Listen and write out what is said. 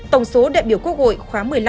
tổng số đại biểu quốc hội khóa một mươi năm